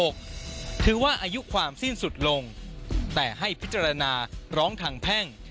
ถือว่าอายุความสิ้นสุดลงแต่ให้พิจารณาร้องทางแพ่ง